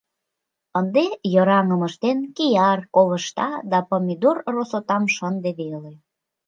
Ынде, йыраҥым ыштен, кияр, ковышта да помидор росотам шынде веле.